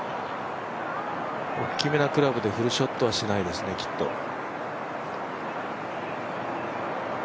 大きめなクラブでフルショットはしないですね、きっと。